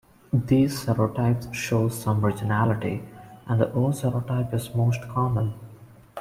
These serotypes show some regionality, and the O serotype is most common.